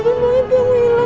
nanti kita berjalan